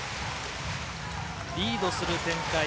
リードする展開。